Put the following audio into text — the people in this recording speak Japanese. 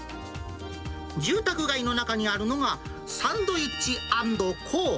住宅街の中にあるのがサンドイッチ・アンド・コー。